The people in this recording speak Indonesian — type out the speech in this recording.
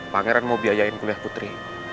pangeran mau biayain kuliah putri